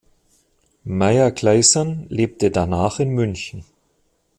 Meyer-Clason lebte danach in München.